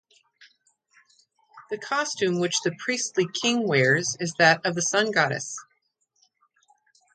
The costume which the priestly king wears is that of the Sun-goddess.